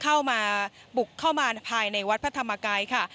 เข้ามาบุกเข้ามาภายในวัดพระธรรมกายค่ะ